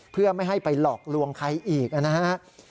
เพื่อไม่ให้ไปหลอกลวงใครอีกนะฮะ